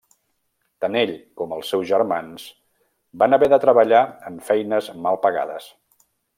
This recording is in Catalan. Tant ell com els seus germans van haver de treballar en feines mal pagades.